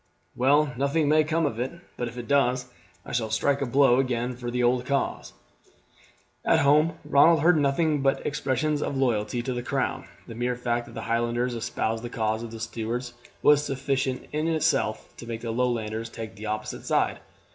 "Well, nothing may come of it; but if it does I shall strike a blow again for the old cause." At home Ronald heard nothing but expressions of loyalty to the crown. The mere fact that the Highlanders espoused the cause of the Stuarts was sufficient in itself to make the Lowlanders take the opposite side.